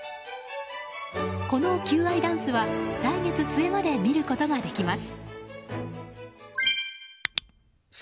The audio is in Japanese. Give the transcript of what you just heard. この求愛ダンスは来月末まで見ることができます。